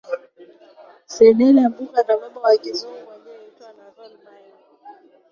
Cedella Booker na baba wa Kizungu aliyeitwa Norvall Marley